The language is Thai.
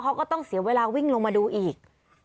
เขาก็ต้องเสียเวลาวิ่งลงมาดูอีก